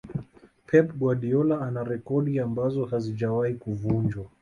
pep guardiola ana rekodi ambazo hazijawahi kuvunjwa